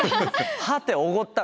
「はぁておごったぁ」